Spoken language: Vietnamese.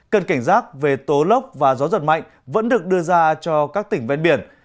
cần cảnh giác về tố lốc và gió giật mạnh vẫn được đưa ra cho các tỉnh ven biển